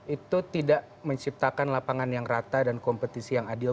itu tidak menciptakan lapangan yang rata dan kompetisi yang adil